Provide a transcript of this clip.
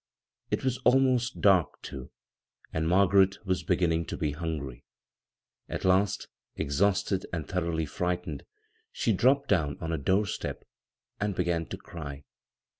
It was almost dark, too, and Margaret was beginning to be hungry. At last, exhausted and thoroughly frightened, she dropped down on a door step and began to cry.